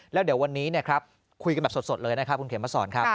แล้วเดี๋ยววันนี้นะครับคุยกันแบบสดเลยนะครับคุณเขมมาสอนครับ